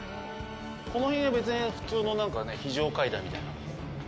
この辺は、別に普通の非常階段みたいな。